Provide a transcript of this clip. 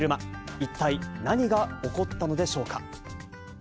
一体何が起こったのでしょうか。